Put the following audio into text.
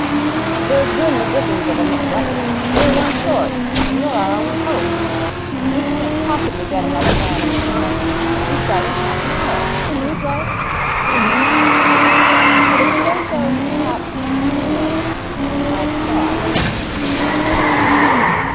'There's been the dickens of a mix up. We're one short, and you're our only hope. We can't possibly get another man in the time. We start in half an hour. Can you play?' For the space of, perhaps, one minute, Mike thought.